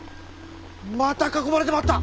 また囲まれてまった！